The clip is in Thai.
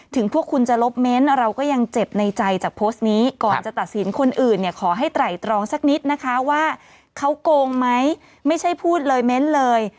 พวกคุณจะลบเม้นเราก็ยังเจ็บในใจจากโพสต์นี้ก่อนจะตัดสินคนอื่นเนี่ยขอให้ไตรตรองสักนิดนะคะว่าเขาโกงไหมไม่ใช่พูดเลยเม้นเลย